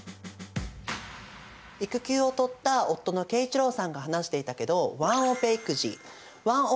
育休を取った夫の慶一郎さんが話していたけどワンオペ育児ワンオペレーション。